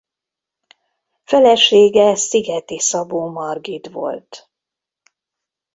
Felesége Szigethy Szabó Margit volt.